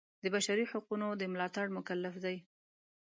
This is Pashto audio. د بشري حقونو د ملاتړ مکلف دی.